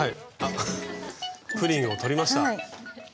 プリンを取りました。